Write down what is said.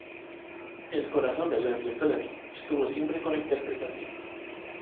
El corazón de Leslie Phillips estuvo siempre con la interpretación.